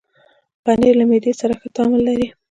پنېر له معدې سره ښه تعامل لري.